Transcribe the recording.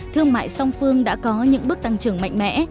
thương mại song phương đã có những bước tăng trưởng mạnh mẽ